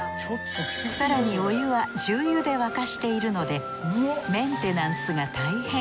更にお湯は重油で沸かしているのでメンテナンスが大変。